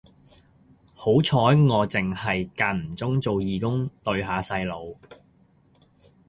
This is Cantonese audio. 好彩我剩係間唔中做義工對下細路